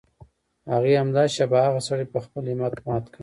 هغې همدا شېبه هغه سړی په خپل همت مات کړ.